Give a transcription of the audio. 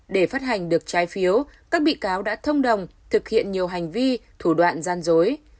để phát hành được trái phiếu các bị cáo đã thông đồng thực hiện nhiều hành vi thủ đoạn gian dối